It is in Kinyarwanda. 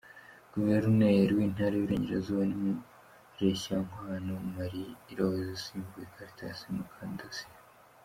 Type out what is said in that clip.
Guverineri w’Intara y’Iburengerazuba ni Mureshyankwano Marie Rose usimbuye Caritas Mukandasira.